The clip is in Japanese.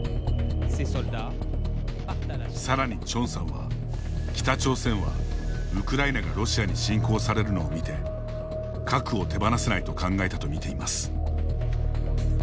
さらに、チョンさんは北朝鮮はウクライナがロシアに侵攻されるのを見て核を手放せないと考えたと見ています。